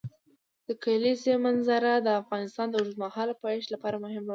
د کلیزو منظره د افغانستان د اوږدمهاله پایښت لپاره مهم رول لري.